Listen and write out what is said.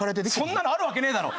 そんなのあるわけねえだろ！